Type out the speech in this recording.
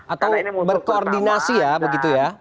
atau berkoordinasi ya begitu ya